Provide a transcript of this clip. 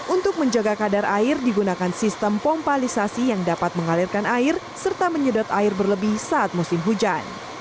untuk menjaga kadar air digunakan sistem pompalisasi yang dapat mengalirkan air serta menyedot air berlebih saat musim hujan